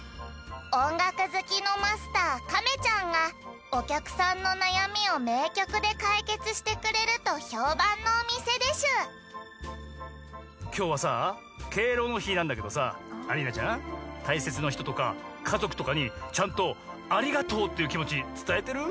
おんがくずきのマスター亀ちゃんがおきゃくさんのなやみをめいきょくでかいけつしてくれるとひょうばんのおみせでしゅきょうはさ敬老の日なんだけどさアリーナちゃん大切なひととかかぞくとかにちゃんと「ありがとう」っていう気持ち伝えてる？